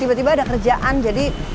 tiba tiba ada kerjaan jadi